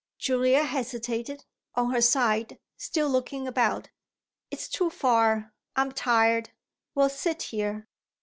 Julia hesitated, on her side, still looking about. "It's too far; I'm tired; we'll sit here."